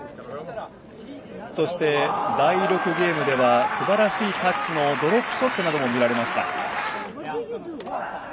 そして、第６ゲームではすばらしいタッチのドロップショットなども見られました。